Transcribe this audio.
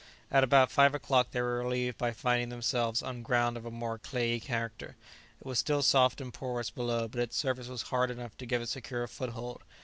At about five o'clock they were relieved by finding themselves on ground of a more clayey character; it was still soft and porous below, but its surface was hard enough to give a secure foothold.